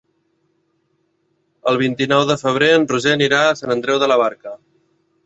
El vint-i-nou de febrer en Roger anirà a Sant Andreu de la Barca.